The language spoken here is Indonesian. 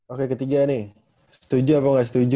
oke ketiga nih setuju apa nggak setuju